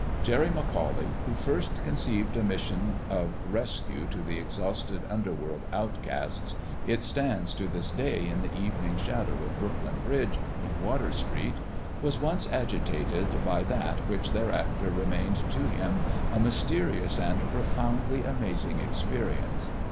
Jerry McAuley, who first conceived a mission of rescue to the exhausted underworld outcasts it stands to this day in the evening shadow of Brooklyn Bridge in Water Street was once ag itated by that which thereafter remained to him a mysterious and profoundly amazing experi ence.